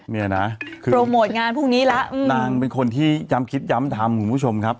เนี่ยนะคือโปรโมทงานพรุ่งนี้แล้วนางเป็นคนที่ย้ำคิดย้ำทำคุณผู้ชมครับ